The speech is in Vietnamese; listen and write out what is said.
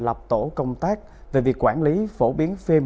lập tổ công tác về việc quản lý phổ biến phim